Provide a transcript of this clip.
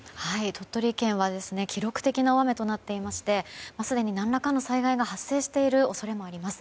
鳥取県は記録的な大雨となっていましてすでに何らかの災害が発生している恐れもあります。